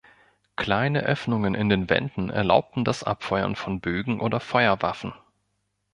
Kleine Öffnungen in den Wänden erlaubten das Abfeuern von Bögen oder Feuerwaffen.